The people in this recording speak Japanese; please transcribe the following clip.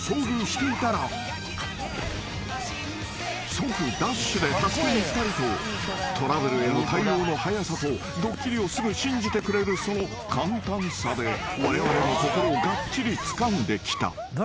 ［即ダッシュで助けに行ったりとトラブルへの対応の早さとドッキリをすぐ信じてくれるその簡単さでわれわれの心をがっちりつかんできた］